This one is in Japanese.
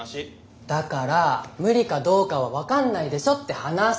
だから無理かどうかは分かんないでしょって話。